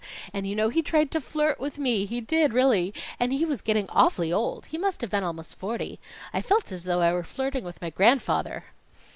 And you know, he tried to flirt with me, he did, really. And he was getting awfully old. He must have been almost forty. I felt as though I were flirting with my grandfather.